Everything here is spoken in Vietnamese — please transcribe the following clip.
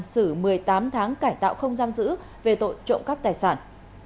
xử một mươi tám tháng cải tạo không giam giữ về tội trộm cắp tài sản